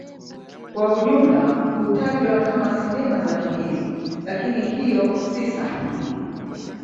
Kwa ujumla hutajwa kama Sinema za Kihindi, lakini hiyo si sahihi.